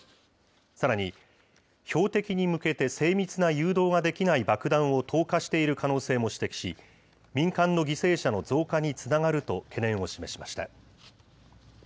さらに、標的に向けて精密な誘導ができない爆弾を投下している可能性も指摘し、民間の犠牲者の増加につながると懸念を示しました。